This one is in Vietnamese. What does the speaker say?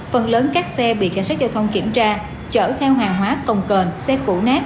phần lớn các xe bị cảnh sát giao thông kiểm tra chở theo hàng hóa cồng cờn xe củ nát